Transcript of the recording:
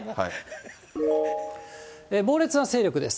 猛烈な勢力です。